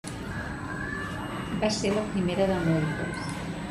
Va ser la primera de moltes.